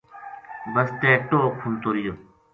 بسطے ٹوہ کھنتو رہیو